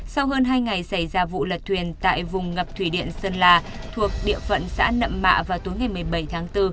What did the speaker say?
sau hơn hai ngày xảy ra vụ lật thuyền tại vùng ngập thủy điện sơn la thuộc địa phận xã nậm mạ vào tối ngày một mươi bảy tháng bốn